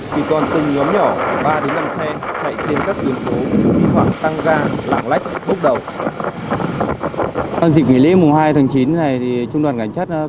chỉ còn từng nhóm nhỏ ba đến năm xe chạy trên các tuyến phố vi thoảng tăng ga lạng lách bốc đầu